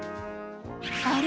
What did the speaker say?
あれ？